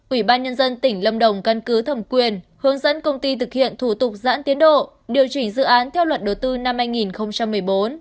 ủy ban nhân dân tỉnh lâm đồng căn cứ thẩm quyền hướng dẫn công ty thực hiện thủ tục giãn tiến độ điều chỉnh dự án theo luật đầu tư năm hai nghìn một mươi bốn